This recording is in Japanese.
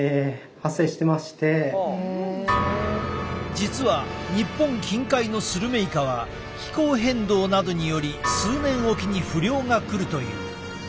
実は日本近海のスルメイカは気候変動などにより数年置きに不漁が来るという。